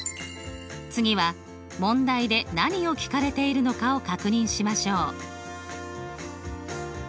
次は問題で何を聞かれているのかを確認しましょう。